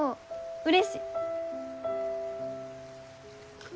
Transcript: うれしい。